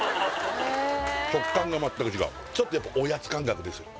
食感が全く違うちょっとやっぱおやつ感覚です